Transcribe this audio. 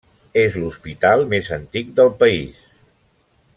És l'hospital més antic del país.